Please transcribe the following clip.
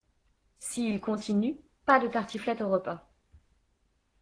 Si il continue, pas de tartiflette au repas.